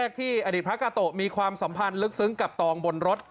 ที่อดีตพระกาโตะมีความสัมพันธ์ลึกซึ้งกับตองบนรถ